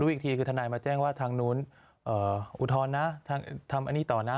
อีกทีคือทนายมาแจ้งว่าทางนู้นอุทธรณ์นะทำอันนี้ต่อนะ